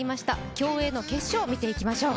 競泳の決勝を見ていきましょう。